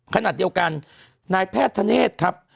ขณะเดียวกันนายแพทย์ธเนธครับ